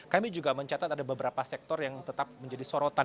kami juga mencatat ada beberapa sektor yang tetap menjadi sorotan